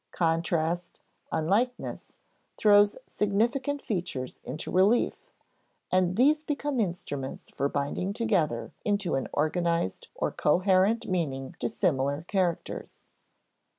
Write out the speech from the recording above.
Contrast, unlikeness, throws significant features into relief, and these become instruments for binding together into an organized or coherent meaning dissimilar characters.